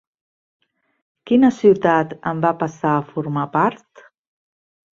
Quina ciutat en va passar a formar part?